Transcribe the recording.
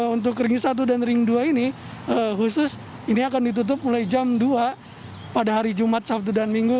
untuk ring satu dan ring dua ini khusus ini akan ditutup mulai jam dua pada hari jumat sabtu dan minggu